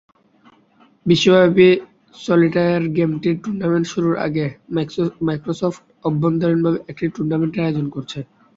বিশ্বব্যাপী সলিটায়ার গেমটির টুর্নামেন্ট শুরুর আগে মাইক্রোসফট অভ্যন্তরীণভাবে একটি টুর্নামেন্টের আয়োজন করছে।